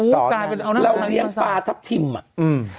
เราเลี้ยงปลาทับทิมอ่ะอืม